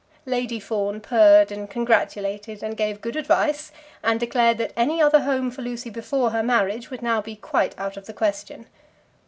Lady Fawn purred, and congratulated, and gave good advice, and declared that any other home for Lucy before her marriage would now be quite out of the question.